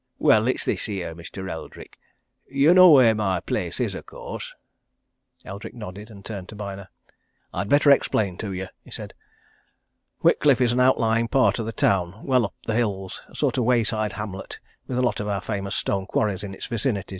Well, it's this here, Mr. Eldrick you know where my place is, of course?" Eldrick nodded, and turned to Byner. "I'd better explain to you," he said. "Whitcliffe is an outlying part of the town, well up the hills a sort of wayside hamlet with a lot of our famous stone quarries in its vicinity.